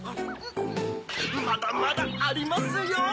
まだまだありますよ。